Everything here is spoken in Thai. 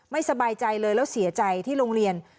สบายใจเลยแล้วเสียใจที่โรงเรียน